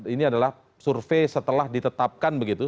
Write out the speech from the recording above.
ini adalah survei setelah ditetapkan begitu